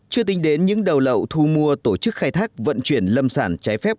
chưa tính đến những đầu lậu thu mua tổ chức khai thác vận chuyển lâm sản trái phép